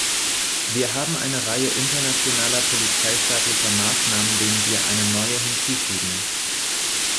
Wir haben eine Reihe internationaler polizeistaatlicher Maßnahmen, denen wir eine neue hinzufügen.